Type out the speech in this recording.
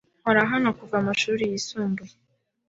Nkora hano kuva amashuri yisumbuye.